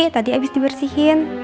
tadi habis dibersihin